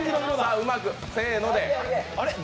うまく、せーので。